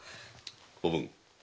おぶん。